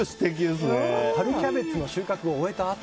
春キャベツの収穫を終えたあと。